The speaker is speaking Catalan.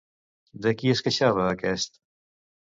De qui es queixava aquest?